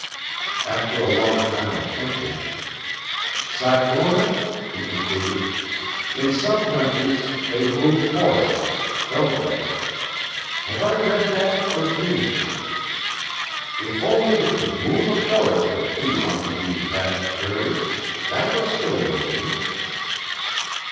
After a long time of thinking: "Cyclona," he concluded, "in some countries they move forests. Don't they? Have I read that or dreamed it? If only we could move a forest or two onto these vast prairies, that would still the winds.